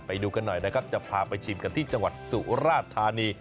ไปดูกันหน่อยนะครับจะพาไปชิมกันที่จังหวัดสุราธานี